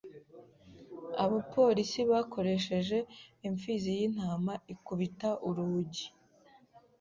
Abapolisi bakoresheje impfizi y'intama ikubita urugi.